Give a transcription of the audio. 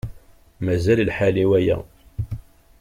Mazal lḥal i waya.